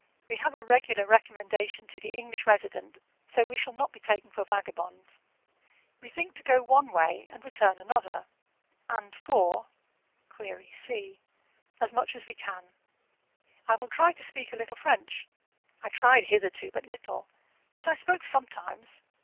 We have a regular recommendation to the English resident, so we shall not be taken for vagabonds. We think to go one way and return another, and for [?see] as much as we can. I will try to speak a little French; I tried hitherto but little, but I spoke sometimes.